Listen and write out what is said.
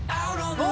◆どう？